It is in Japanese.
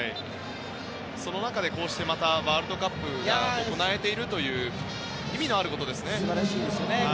その中でこうしてまたワールドカップが行われているというのは意味のあることですよね。